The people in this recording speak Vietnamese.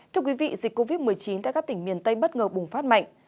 thưa quý vị dịch covid một mươi chín tại các tỉnh miền tây bất ngờ bùng phát mạnh